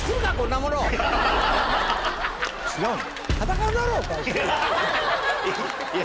違うの？